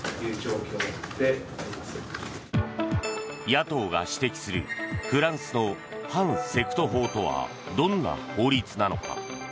野党が指摘するフランスの反セクト法とはどんな法律なのか。